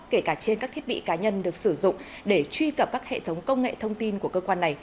kể cả trên các thiết bị cá nhân được sử dụng để truy cập các hệ thống công nghệ thông tin của cơ quan này